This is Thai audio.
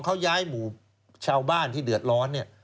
เขาย้ายหมู่ชาวบ้านที่เดือดร้อนเนี่ย